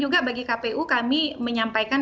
juga bagi kpu kami menyampaikan